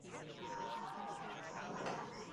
Its terminals were Kunming, Yunnan, and Lashio, Burma.